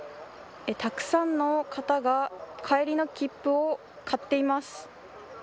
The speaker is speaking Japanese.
たくさんの方が帰りの切符を買っています。